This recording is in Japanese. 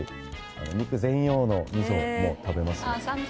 肉専用のみそも食べますよ。